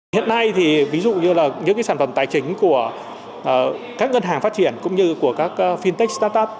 hiện nay thì ví dụ như là những sản phẩm tài chính của các ngân hàng phát triển cũng như của các fintech start up